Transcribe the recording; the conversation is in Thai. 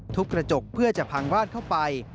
ทุบกระจกเพื่อจะพังบ้านเข้าไป